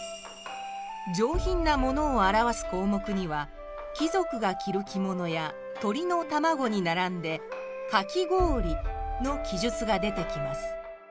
上品なものを表す項目には貴族が着る着物や鳥の卵に並んでかき氷の記述が出てきます